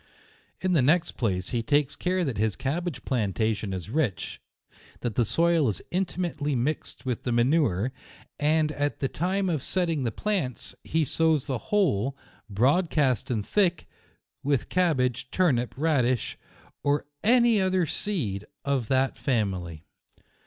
In the next place he takes care that his cabbage plantation is rich, that the soil is intimately mixed with the ma nure, and at the time of setting the plants, he sows the whole, broadcast and thick, with cabbage, turnip, radish, or any other seed of that family.